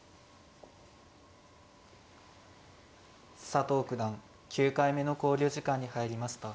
佐藤九段９回目の考慮時間に入りました。